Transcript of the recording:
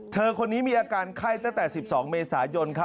คนนี้มีอาการไข้ตั้งแต่๑๒เมษายน